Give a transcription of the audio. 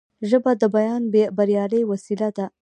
ژبه د بیان بریالۍ وسیله ده